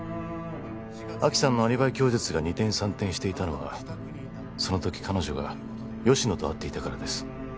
亜希さんのアリバイ供述が二転三転していたのはそのとき彼女が吉乃と会っていたからです